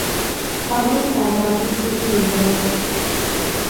ქვაბული წარმოადგენს მყინვარულ კარს.